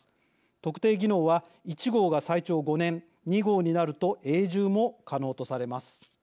特定技能は１号が最長５年２号になると永住も可能とされます。